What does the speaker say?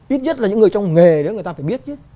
ít nhất là những người trong nghề đó người ta phải biết chứ